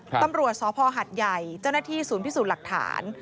ตำรวจสพหัดใหญ่เจ้าหน้าที่ศูนย์พิสูจน์หลักฐาน